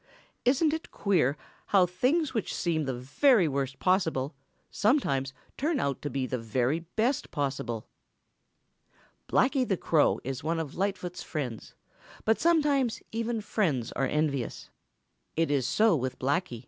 Isn't it queer how things which seem the very worst possible sometimes turn out to be the very best possible?" Blacky the Crow is one of Lightfoot's friends, but sometimes even friends are envious. It is so with Blacky.